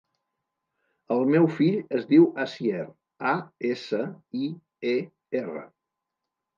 El meu fill es diu Asier: a, essa, i, e, erra.